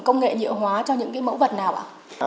công nghệ nhựa hóa cho những cái mẫu vật nào ạ